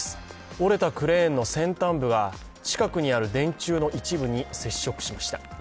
折れたクレーンの先端部は近くにある電柱の一部に接触しました。